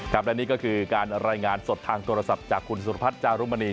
และนี่ก็คือการรายงานสดทางโทรศัพท์จากคุณสุรพัฒน์จารุมณี